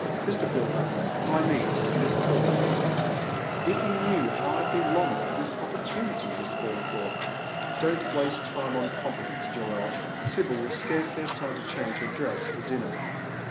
" Mr. Pilgrim, my niece, Misa Faunthorpe." " If you knew how I have been longing for this opportunity, Miss Faunthorpe." " Don't waste time on compliments, Joel ; Sibyl will scarcely have time to change her dress for dinner."